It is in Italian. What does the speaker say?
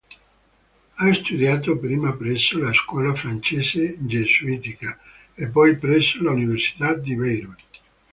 Ha studiato prima presso la scuola francese gesuitica e poi presso l'università di Beirut.